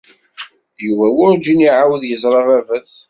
Yuba werǧin iɛawed yeẓra baba-s.